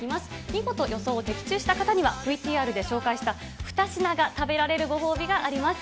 見事、予想を的中した方には、ＶＴＲで紹介した２品が食べられるご褒美があります。